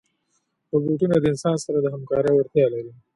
روبوټونه د انسان سره د همکارۍ وړتیا لري.